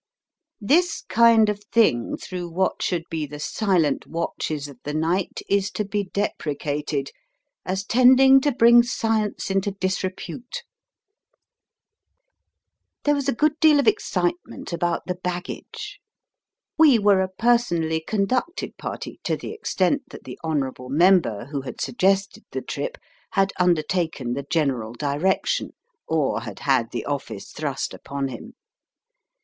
This kind of thing through what should be the silent watches of the night is to be deprecated, as tending to bring science into disrepute. There was a good deal of excitement about the baggage. We were a personally conducted party to the extent that the Hon. Member who had suggested the trip, had undertaken the general direction, or had had the office thrust upon him.